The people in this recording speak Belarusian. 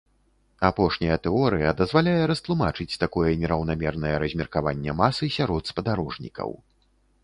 Апошняя тэорыя дазваляе растлумачыць такое нераўнамернае размеркаванне масы сярод спадарожнікаў.